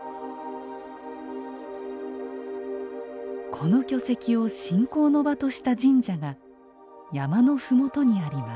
この巨石を信仰の場とした神社が山の麓にあります。